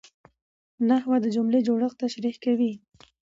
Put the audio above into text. نحوه د جملې جوړښت تشریح کوي.